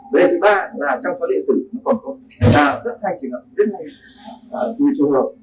và vấn đề thứ ba là trong các lễ thủy nó còn có rất hay trường hợp rất hay trường hợp